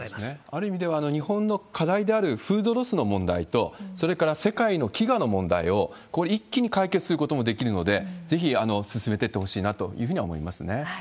ある意味では、日本の課題であるフードロスの問題と、それから世界の飢餓の問題を、これ、一気に解決することもできるので、ぜひ進めてってほしいなというふうには思いますね。